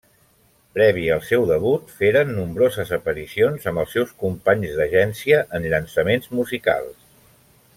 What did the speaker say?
Previ al seu debut, feren nombroses aparicions amb els seus companys d'agència en llançaments musicals.